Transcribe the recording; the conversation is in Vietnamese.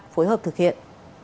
phối hợp thực hiện